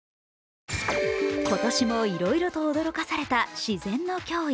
今年もいろいろと驚かされた自然の驚異。